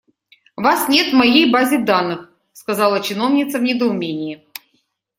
«Вас нет в моей базе данных», - сказала чиновница в недоумении.